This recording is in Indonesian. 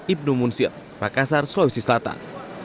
ibnu munsir makassar sulawesi selatan